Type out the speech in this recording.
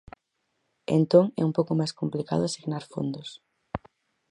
Entón é un pouco máis complicado asignar fondos.